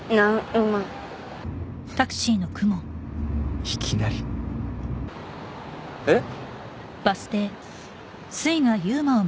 ふっいきなり？えっ？